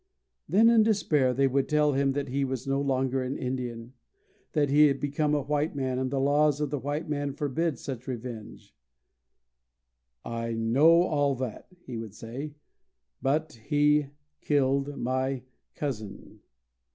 Then, in despair, they would tell him that he was no longer an Indian; that he had become a white man, and the laws of the white man forbid such revenge. "I know all that," he would say, "but he killed my cousin."